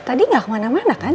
tadi nggak kemana mana kan